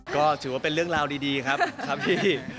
ก็ถือว่าเป็นเรื่องราวดีครับครับพี่